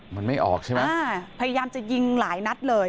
มันไม่ออกใช่ไหมอ่าพยายามจะยิงหลายนัดเลย